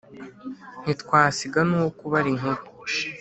ntitwasiga n’uwo kubara inkuru